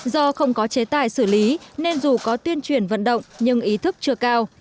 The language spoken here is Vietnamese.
do không có chế tài xử lý nên dù có tuyên truyền vận động nhưng ý thức chưa cao